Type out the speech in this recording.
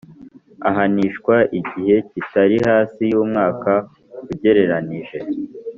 Ahanishwa igihe kitari hasi y’umwaka ugereranije